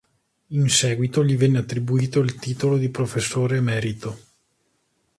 In seguito gli venne attribuito il titolo di Professore Emerito.